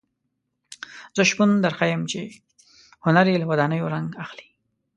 زه شپون درښیم چې هنر یې له ودانیو رنګ اخلي.